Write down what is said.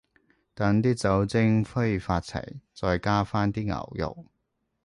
等啲酒精揮發齊，再加返啲牛肉